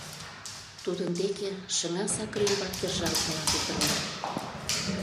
— Тудын деке шыҥа сакыр ӱмбак кержалтмыла пӱтырна.